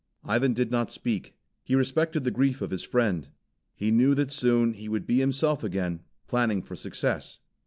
Ivan did not speak. He respected the grief of his friend. He knew that soon he would be himself again, planning for success.